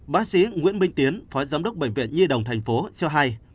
bác sĩ nguyễn minh tiến phó giám đốc bệnh viện nhi đồng thành phố cho hay